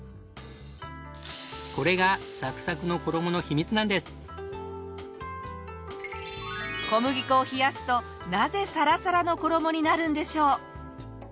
これが小麦粉を冷やすとなぜサラサラの衣になるんでしょう？